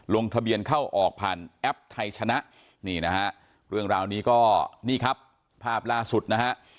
ลงทะเบียนเข้าออกผ่านแอปไทยชนะนี่นะฮะเรื่องราวนี้ก็นี่ครับภาพล่าสุดนะฮะ